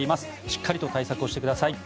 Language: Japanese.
しっかりと対策をしてください。